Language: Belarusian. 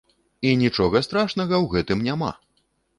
І нічога страшнага ў гэтым няма!